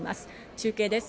中継です。